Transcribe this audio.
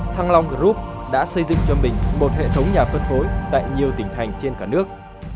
thăng long group đã xây dựng cho mình một hệ thống nhà phân phối tại nhiều tỉnh thành trên cả nước